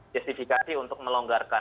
justifikasi untuk melonggarkan